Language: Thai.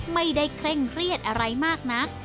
เคร่งเครียดอะไรมากนัก